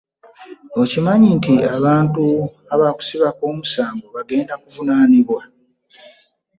Okimanyi nti abantu abaakusibako omusango bagenda kuvunanibwa.